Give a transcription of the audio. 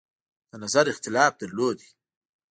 د نظر اختلاف درلود.